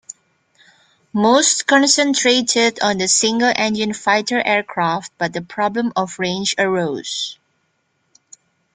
Most concentrated on the single-engine fighter aircraft, but the problem of range arose.